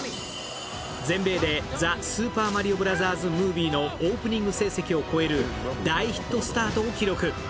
全米で「ザ・スーパーマリオブラザーズ・ムービー」のオープニング成績を超える大ヒットスタートを記録。